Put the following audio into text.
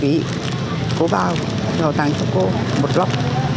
cô vào họ tặng cho cô một lọc